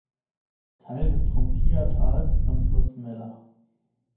Teil des Trompia-Tals am Fluss Mella.